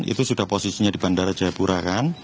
itu sudah posisinya di bandara jayapura kan